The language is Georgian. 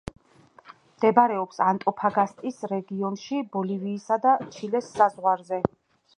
მდებარეობს ანტოფაგასტის რეგიონში ბოლივიისა და ჩილეს საზღვარზე.